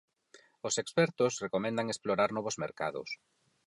Os expertos recomendan explorar novos mercados.